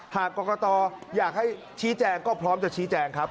หากกรกตอยากให้ชี้แจงก็พร้อมจะชี้แจงครับ